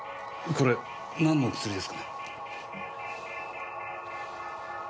これ何の薬ですかね？